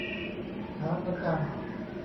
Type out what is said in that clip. ขาประจำ